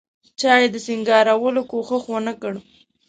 چا یې د سینګارولو کوښښ ونکړ.